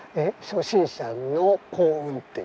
初心者の幸運って。